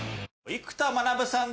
生田さん。